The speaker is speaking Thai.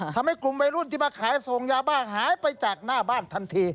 ทำให้กลุ่มวัยรุ่นที่มาขายส่งยาบ้าหายไปจากหน้าบ้านทันที